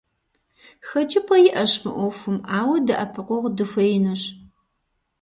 Хэкӏыпӏэ иӏэщ мы ӏуэхум, ауэ дэӏэпыкъуэгъу дыхуеинущ.